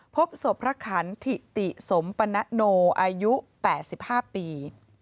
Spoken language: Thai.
พบศพพระขันถิติสมปณะโนอายุ๘๕ปี